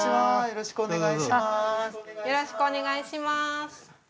よろしくお願いします。